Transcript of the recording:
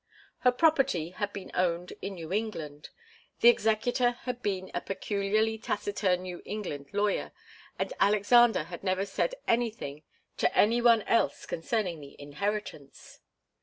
Her property had been owned in New England; the executor had been a peculiarly taciturn New England lawyer, and Alexander had never said anything to any one else concerning the inheritance.